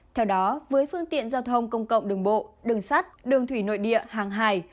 theo đó với phương tiện giao thông công cộng đường bộ đường sắt đường thủy nội địa hàng hải